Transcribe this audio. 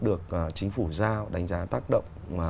được chính phủ giao đánh giá tác động